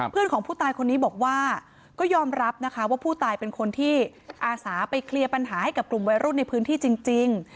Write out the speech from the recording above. เพื่อนของผู้ตายคนนี้บอกว่าก็ยอมรับนะคะว่าผู้ตายเป็นคนที่อาสาไปเคลียร์ปัญหาให้กับกลุ่มวัยรุ่นในพื้นที่จริง